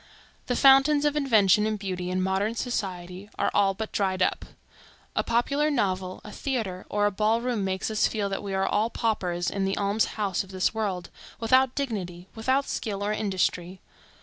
The fountains of invention and beauty in modern society are all but dried up. A popular novel, a theatre, or a ball room makes us feel that we are all paupers in the alms house of this world, without dignity, without skill or industry.